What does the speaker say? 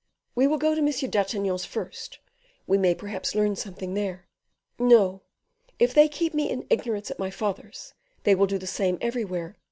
"We will go to M. d'Artagnan's first, we may perhaps learn something there." "No; if they keep me in ignorance at my father's, they will do the same everywhere.